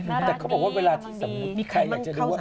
มันเข้าสามสิบละ